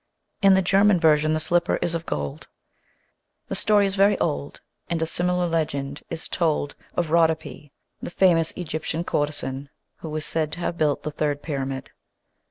In the German version the slipper is of gold. The story is very old and a similar legend is told of Rhodope, the famous Egyptian courtesan who was said to have built the third pyramid.